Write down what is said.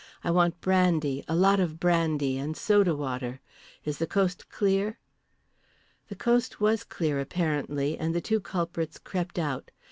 I want brandy, a lot of brandy, and soda water. Is the coast clear?" The coast was clear apparently, and the two culprits crept out.